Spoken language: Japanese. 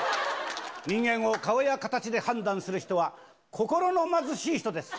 人間を顔や形で判断する人は、心の貧しい人です。